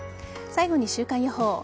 最後に週間予報。